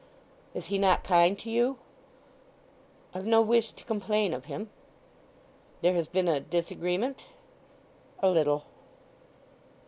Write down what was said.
"Is he not kind to you?" "I've no wish to complain of him." "There has been a disagreement?" "A little."